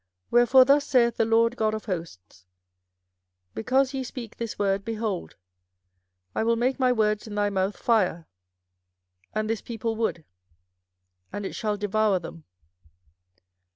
24:005:014 Wherefore thus saith the LORD God of hosts, Because ye speak this word, behold, I will make my words in thy mouth fire, and this people wood, and it shall devour them.